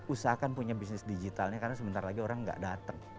usahakan punya bisnis digitalnya karena sebentar lagi orang gak datang